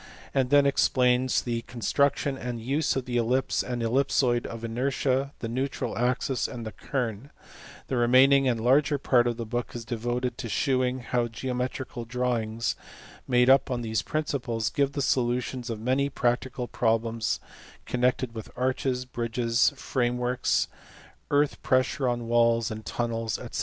and then explains the construction and use of the ellipse and ellipsoid of inertia, the neutral axis, and the kern ; the remaining and larger part of the book is devoted to shewing how geometrical drawings, made on these principles, give the solutions of many practical problems connected with arches, bridges, frameworks, earth pressure on walls and tunnels, &c.